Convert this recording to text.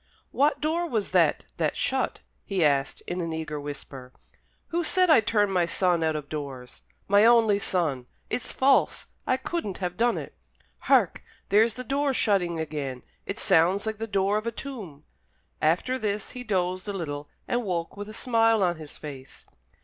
"What door was that that shut?" he asked, in an eager whisper. "Who said I turned my son out of doors my only son? It's false! I couldn't have done it! Hark! there's the door shutting again! It sounds like the door of a tomb." After this he dozed a little, and woke with a smile on his face.